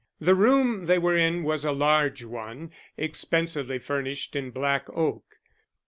The room they were in was a large one, expensively furnished in black oak.